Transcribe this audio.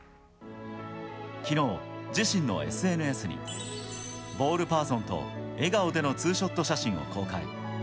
きのう、自身のＳＮＳにボールパーソンと笑顔でのツーショット写真を公開。